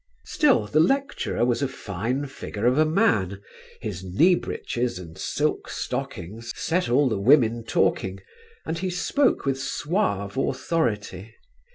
Still, the lecturer was a fine figure of a man: his knee breeches and silk stockings set all the women talking, and he spoke with suave authority.